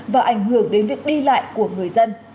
và ảnh hưởng đến việc đi lại của người dân